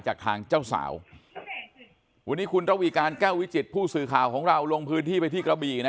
จากทางเจ้าสาววันนี้คุณระวีการแก้ววิจิตผู้สื่อข่าวของเราลงพื้นที่ไปที่กระบี่นะ